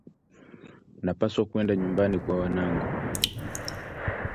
Napaswa kwenda nyumbani kwa wanangu